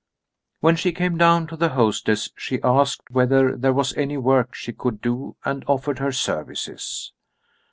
When she came down to the hostess she asked whether there was any work she could do, and offered her services.